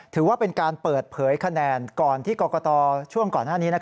ถือว่าเป็นการเปิดเผยคะแนนก่อนที่กรกตช่วงก่อนหน้านี้